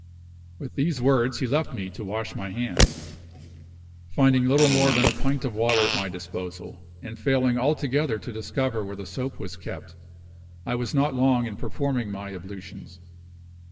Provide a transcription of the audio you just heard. With these words, he left me to wash my hands. Finding little more than a pint of water at my disposal, and failing altogether to discover where the soap was kept, I was not long in performing my ablutions.